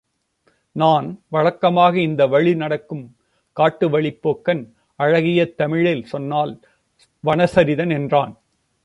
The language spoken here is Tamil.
நான் வழக்கமாக இந்த வழி நடக்கும் காட்டு வழிப்போக்கன் அழகிய தமிழில் சொன்னால் வனசரிதன் என்றான்.